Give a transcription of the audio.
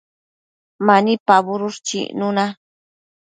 Mani pabudush chicnuna